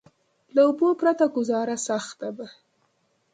له اوبو پرته ګذاره سخته ده.